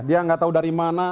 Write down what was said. dia nggak tahu dari mana